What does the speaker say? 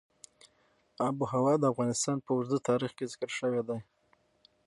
آب وهوا د افغانستان په اوږده تاریخ کې ذکر شوی دی.